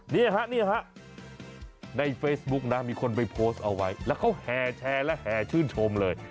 นี่ฮะนี่ฮะในเฟซบุ๊กนะมีคนไปโพสต์เอาไว้แล้วเขาแห่แชร์และแห่ชื่นชมเลย